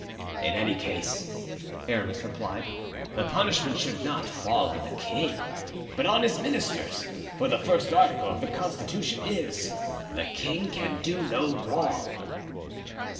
"In any case," Aramis replied, "the punishment should fall not on the king, but on his ministers; for the first article of the constitution is, 'The king can do no wrong.